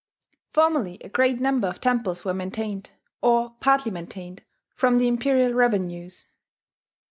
Formerly a great number of temples were maintained, or partly maintained, from the imperial revenues.